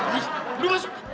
wih lu masuk